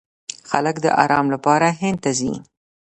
خلک د ارام لپاره هند ته ځي.